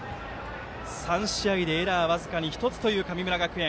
３試合でエラー僅かに１つという神村学園。